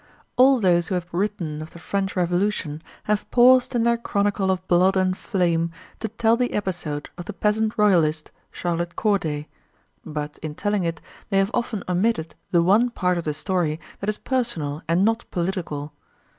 All those who have written of the French Revolution have paused in their chronicle of blood and flame to tell the episode of the peasant Royalist, Charlotte Corday; but in telling it they have often omitted the one part of the story that is personal and not political.